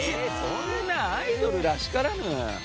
そんなアイドルらしからぬ。